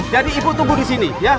jadi ibu tunggu disini ya